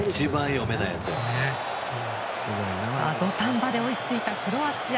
さあ、土壇場で追いついたクロアチア。